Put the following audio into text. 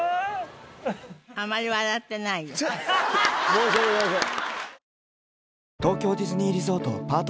申し訳ございません。